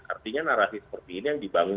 artinya narasi seperti ini yang dibangun